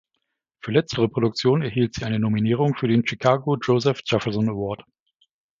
Für letztere Produktion erhielt sie eine Nominierung für den Chicago Joseph Jefferson Award.